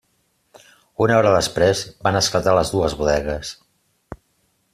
Una hora després, van esclatar les dues bodegues.